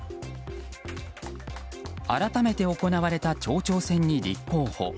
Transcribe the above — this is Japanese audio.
改めて行われた町長選に立候補。